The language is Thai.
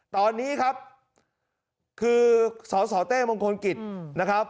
ตอนนี้ครับคือสสเต้มงคลกิจนะครับ